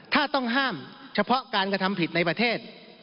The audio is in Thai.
ถ้าต้องห้ามเฉพาะการกระทำผิดในประเทศ